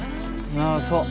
ああそう。